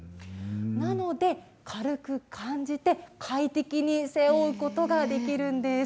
なので軽く感じて快適に背負うことができるんです。